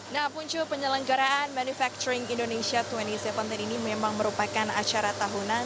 nah puncu penyelenggaraan manufacturing indonesia dua ribu tujuh belas ini memang merupakan acara tahunan